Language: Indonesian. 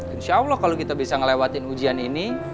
insyaallah kalau kita bisa ngelewatin ujian ini